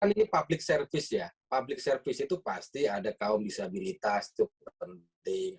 ini public service ya public service itu pasti ada kaum disabilitas cukup penting